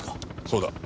そうだ。